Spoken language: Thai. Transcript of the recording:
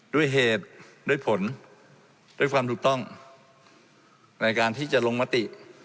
ด้วยเหตุด้วยผลด้วยความถูกต้องในการที่จะลงมติ